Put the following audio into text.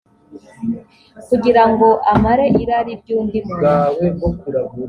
kugira ngo amare irari ry undi muntu